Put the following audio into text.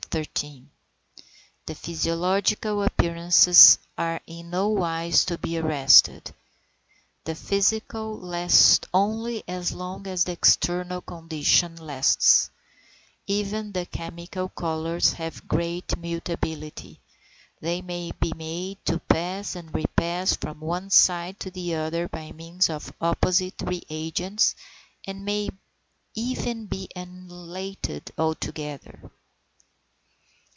The physiological appearances are in no wise to be arrested; the physical last only as long as the external condition lasts; even the chemical colours have great mutability, they may be made to pass and repass from one side to the other by means of opposite re agents, and may even be annihilated altogether.